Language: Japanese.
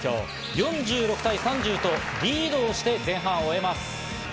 ４６対３０とリードをして前半を終えます。